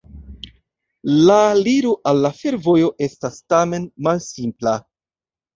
La aliro al la fervojo estas tamen malsimpla.